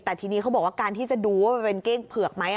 แต่ทีนี้เขาบอกว่าการที่จะดูว่ามันเป็นเก้งเผือกไหม